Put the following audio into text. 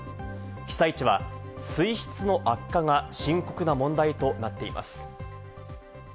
被災地は水質の悪化が深刻な問題となっています。